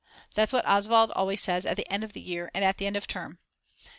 That's what Oswald always says at the end of the year and at the end of term.